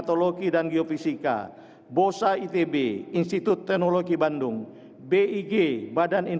terima kasih oleh